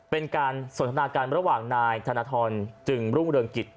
เป็นการสนทนาการระหว่างนายธนทรจึงรุ่งเรืองกิจ